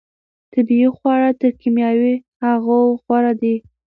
طبیعي خواړه تر کیمیاوي هغو غوره دي.